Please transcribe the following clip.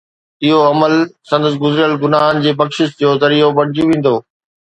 اهو عمل سندس گذريل گناهن جي بخشش جو ذريعو بڻجي ويندو